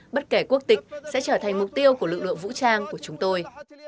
bất kể quốc tịch sẽ trở thành mục tiêu của lực lượng vũ trang của chúng tôi